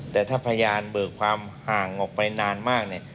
แต่ถ้าพยานเบิกความห่างออกไปนานมากเนี่ย